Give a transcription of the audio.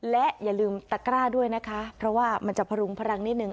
และอย่าลืมตะกร้าด้วยนะคะเพราะว่ามันจะพรุงพลังนิดนึง